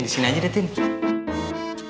disini aja deh tim